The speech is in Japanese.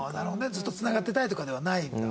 ずっと繋がってたいとかではないんだ。